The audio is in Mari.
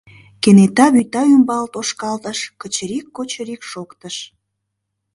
Кенета вӱта ӱмбал тошкалтыш кычырик-кочырик шоктыш.